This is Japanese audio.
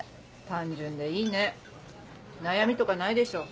単純でいいね悩みとかないでしょ？